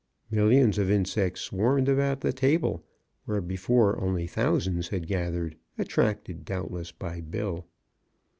Millions of insects swarmed about the table, where before only thousands had gathered, attracted, doubtless, by Bill.